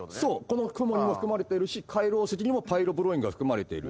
この雲にも含まれてるし海楼石にもパイロブロインが含まれている。